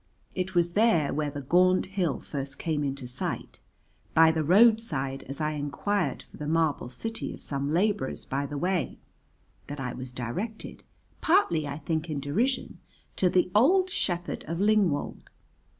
It was there where the gaunt hill first came into sight, by the roadside as I enquired for the marble city of some labourers by the way, that I was directed, partly I think in derision, to the old shepherd of Lingwold.